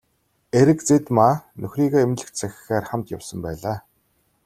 Эрэгзэдмаа нөхрийгөө эмнэлэгт сахихаар хамт явсан байлаа.